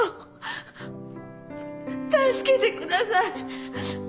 助けてください。